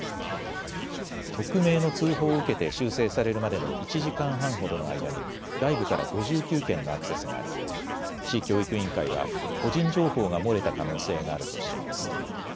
匿名の通報を受けて修正されるまでの１時間半ほどの間に外部から５９件のアクセスがあり市教育委員会は個人情報が漏れた可能性があるとしています。